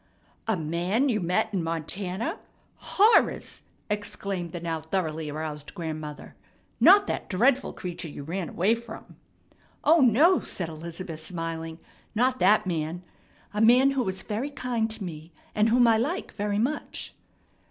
"A man you met in Montana! Horrors!" exclaimed the now thoroughly aroused grandmother. "Not that dreadful creature you ran away from?" "O no!" said Elizabeth, smiling. "Not that man. A man who was very kind to me, and whom I like very much."